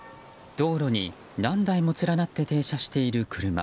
道路に何台も連なって停車している車。